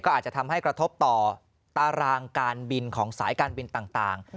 อาจจะทำให้กระทบต่อตารางการบินของสายการบินต่าง